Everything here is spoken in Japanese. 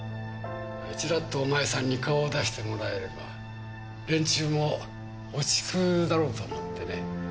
ちらっとお前さんに顔を出してもらえれば連中も落ち着くだろうと思ってね。